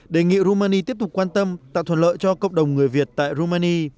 đề nghị romani tiếp tục quan tâm tạo thuận lợi cho cộng đồng người việt tại rumani